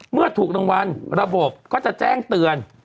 เมื่อถูกรางวัลระบบก็จะแจ้งเตือน